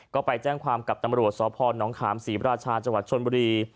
ก็ไปแจ้งความกับตำรวจสพนขามศรีราชาจังหวัดชนบุรี